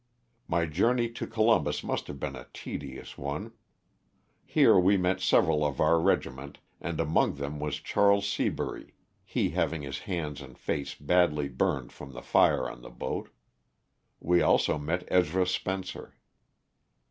My journey to Columbus must have been a tedious one. Here we met several of our regiment and among them was Chas. Seabury, he having his hands and face badly burned from the fire on the boat. We also met Ezra Spencer.